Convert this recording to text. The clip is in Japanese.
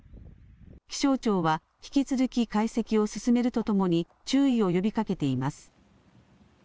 気象庁は引き続き解析を進めるとともに注意を呼びかけています。